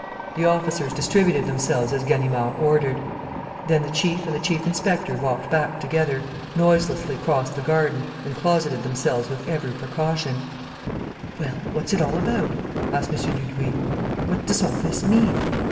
The officers distributed themselves as Ganimard ordered. Then the chief and the chief inspector walked back together, noiselessly crossed the garden and closeted themselves with every precaution: "Well, what's it all about?" asked M. Dudouis. "What does all this mean?